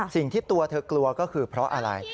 สิ่งที่ตัวเธอกลัวก็คือเพราะอะไร